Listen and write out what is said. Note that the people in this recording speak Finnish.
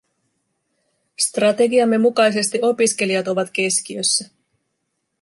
Strategiamme mukaisesti opiskelijat ovat keskiössä.